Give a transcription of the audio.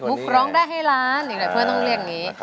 มุกร้องได้ให้ล้าน